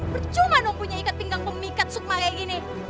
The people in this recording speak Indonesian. percuma dong punya ikat pinggang pemikat sukma kayak gini